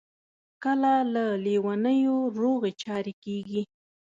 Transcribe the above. کله له لېونیو روغې چارې کیږي.